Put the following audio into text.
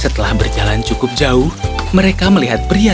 setelah berjalan cukup jauh mereka melihat pria